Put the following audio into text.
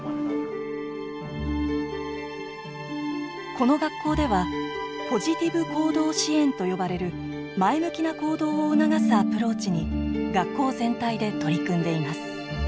この学校ではポジティブ行動支援と呼ばれる前向きな行動を促すアプローチに学校全体で取り組んでいます。